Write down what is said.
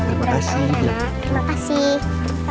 terima kasih mbak terima kasih